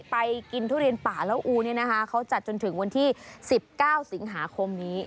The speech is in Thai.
ไปกินทุเรียนป่าเล่าอูเนี่ยนะคะเขาจัดจนถึงวันที่๑๙สิงหาคมนี้